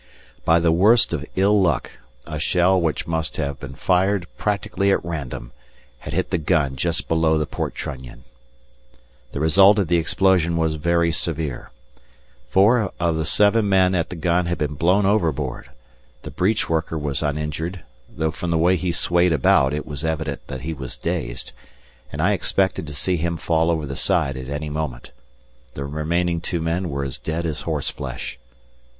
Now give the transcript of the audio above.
By the worst of ill luck, a shell which must have been fired practically at random had hit the gun just below the port trunnion. The result of the explosion was very severe. Four of the seven men at the gun had been blown overboard, the breech worker was uninjured, though from the way he swayed about it was evident that he was dazed, and I expected to see him fall over the side at any moment. The remaining two men were as dead as horse flesh.